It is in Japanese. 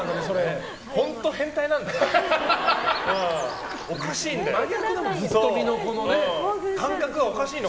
本当に変態なんだな。